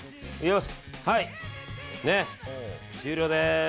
ね、終了です。